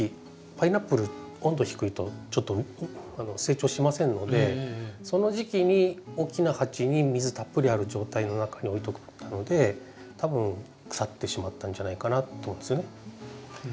パイナップル温度低いとちょっと成長しませんのでその時期に大きな鉢に水たっぷりある状態の中に置いといたので多分腐ってしまったんじゃないかなと思うんですよね。